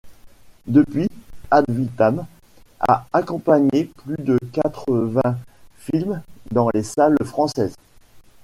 Depuis, Ad Vitam a accompagné plus de quatre-vingt films dans les salles françaises.